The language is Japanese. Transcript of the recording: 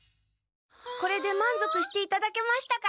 これでまんぞくしていただけましたか？